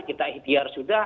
kita ikhtiar sudah